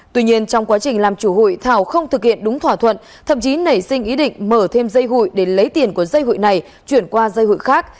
tuy nhiên trong quá trình làm chủ hụi thảo không thực hiện đúng thỏa thuận thậm chí nảy sinh ý định mở thêm dây hụi để lấy tiền của dây hội này chuyển qua dây hụi khác